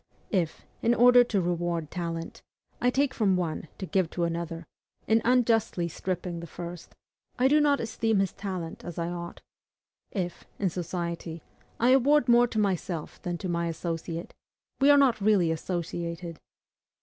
If, in order to reward talent, I take from one to give to another, in unjustly stripping the first, I do not esteem his talent as I ought; if, in society, I award more to myself than to my associate, we are not really associated.